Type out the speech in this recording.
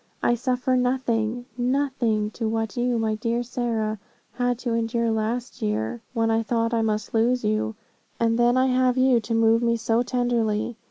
I suffer nothing, nothing to what you, my dear Sarah, had to endure last year, when I thought I must lose you. And then I have you to move me so tenderly.